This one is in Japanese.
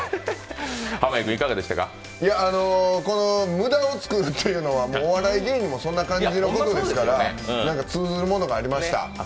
無駄を作るというのはお笑い芸人もそんな感じなもんですから通ずるものがありました。